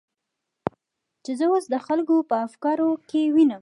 چې زه اوس د خلکو په افکارو کې وینم.